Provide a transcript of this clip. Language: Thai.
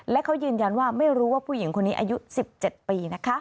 และเขายืนยันว่าไม่รู้ว่าผู้หญิงคนนี้อายุ๑๗ปีนะคะ